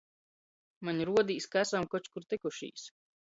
Maņ ruodīs, ka asam koč kur tykušīs.